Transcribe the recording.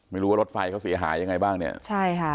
ไม่รู้ว่ารถไฟเขาเสียหายยังไงบ้างเนี่ยใช่ค่ะ